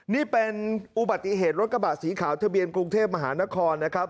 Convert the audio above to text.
นี่เป็นอุบัติเหตุรถกระบะสีขาวทะเบียนกรุงเทพมหานครนะครับ